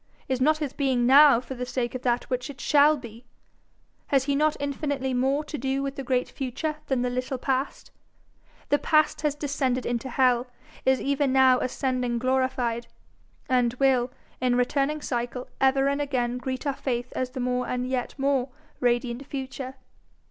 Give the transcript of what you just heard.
Is not his being now for the sake of that which it shall be? Has he not infinitely more to do with the great future than the little past? The Past has descended into hell, is even now ascending glorified, and will, in returning cycle, ever and again greet our faith as the more and yet more radiant Future.